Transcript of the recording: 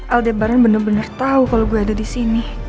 aldebaran bener bener tau kalau gue ada disini